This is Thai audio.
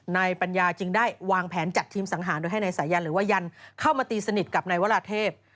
ในปัญญาจริงได้วางแผนจัดทีมศังหาดไม่ให้ในสายันหรือว่ายันทร์เข้ามาตีสนิทกับนายวราเทพฯ